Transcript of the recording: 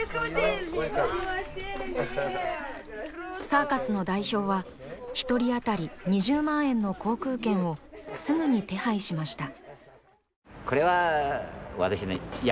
サーカスの代表は１人当たり２０万円の航空券をすぐに手配しました。